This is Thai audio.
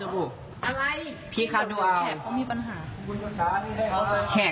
กูทำแบบค่ากฆ่ามีปัญหา